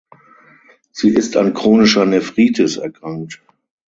Sie ist an chronischer Nephritis erkrankt.